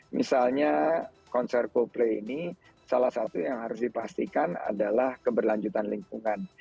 misalnya konser coldplay ini salah satu yang harus dipastikan adalah keberlanjutan lingkungan